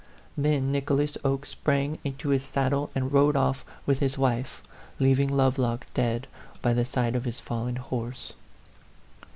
Then Nicholas Oke sprang into his saddle and rode off with his wife, leaving Lovelock dead by the side of 6 83 A PHANTOM LOVER. his fallen horse.